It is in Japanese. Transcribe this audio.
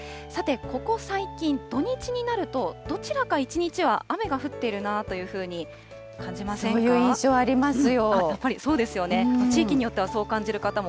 さて、ここ最近、土日になると、どちらか１日は雨が降っているなそういう印象ありますよ。